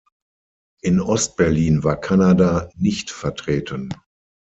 In Ost-Berlin war Kanada nicht vertreten.